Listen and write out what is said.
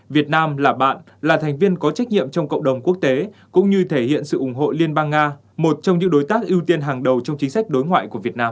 việt nam là bạn là thành viên có trách nhiệm trong cộng đồng quốc tế cũng như thể hiện sự ủng hộ liên bang nga một trong những đối tác ưu tiên hàng đầu trong chính sách đối ngoại của việt nam